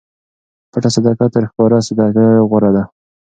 پټه صدقه تر ښکاره صدقې غوره ده.